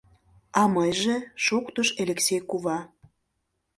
— А мыйже? — шоктыш Элексей кува.